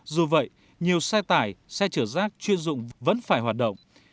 dù vậy nhiều xe tải xe chở rác chuyên dụng vẫn phải hoạt động